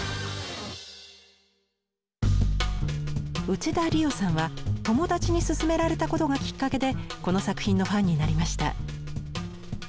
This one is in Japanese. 内田理央さんは友達にすすめられたことがきっかけでこの作品のファンになりました。